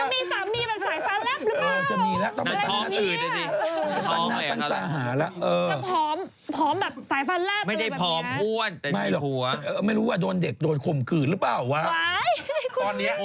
ไม่จะมีสามีแบบสายฟันรับหรือเปล่าแบบนี้อะ